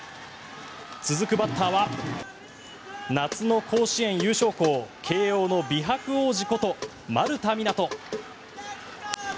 続くバッターは夏の甲子園優勝校慶応の美白王子こと丸田湊斗。